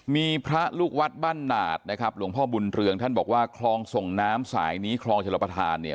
มีพระลูกวัดบ้านหนาดนะครับหลวงพ่อบุญเรืองท่านบอกว่าคลองส่งน้ำสายนี้คลองชลประธานเนี่ย